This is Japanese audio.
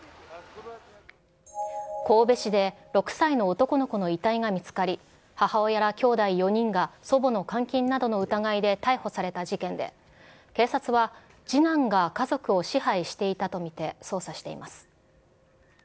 神戸市で６歳の男の子の遺体が見つかり、母親らきょうだい４人が祖母の監禁などの疑いで逮捕された事件で、警察は、次男が家族を支配していたと見て、捜査しています。